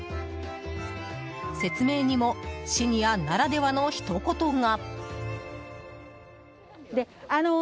説明にもシニアならではのひと言が。